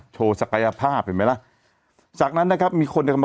ศักยภาพเห็นไหมล่ะจากนั้นนะครับมีคนเนี่ยก็มา